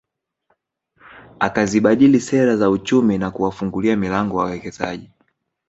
Akazibadili sera za uchumi na kuwafungulia milango wawekezaji